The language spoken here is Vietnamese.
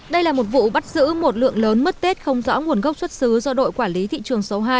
đây là một vụ bắt giữ một lượng lớn mứt tết không rõ nguồn gốc xuất xứ do đội quản lý thị trường số hai